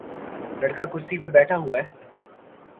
لڑکا کرسی پہ بیٹھا ہوا ہے۔